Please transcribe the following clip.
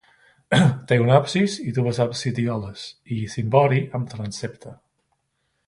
Té un absis i dues absidioles i cimbori amb transsepte.